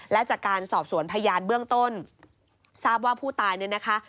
และจากการสอบสวนพยานเบื้องต้นทราบว่าผู้ตายเนี่ยนะคะ